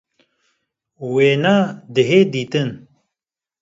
Wêne dihê dîtin